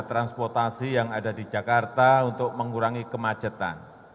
dan transportasi yang ada di jakarta untuk mengurangi kemacetan